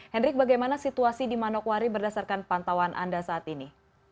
hendrik bagaimana situasi di manokwari berdasarkan pantauan anda saat ini